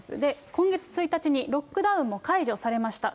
今月１日にロックダウンも解除されました。